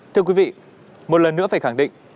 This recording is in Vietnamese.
thưa quý vị một lần nữa phải khẳng định